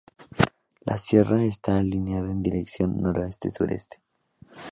La sierra está alineada en dirección Noroeste-Sureste.